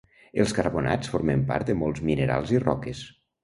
Els carbonats formen part de molts minerals i roques.